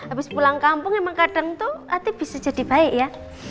abis pulang kampung emang kadang tuh ati bisa jadi baik ya